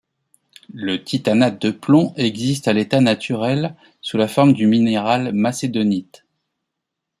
Le titanate de plomb existe à l'état naturel, sous la forme du minéral macédonite.